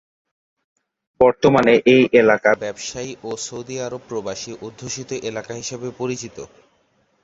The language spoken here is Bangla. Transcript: বর্তমানে এই এলাকা ব্যবসায়ী ও সৌদি আরব প্রবাসী অধ্যুষিত এলাকা হিসাবে পরিচিত।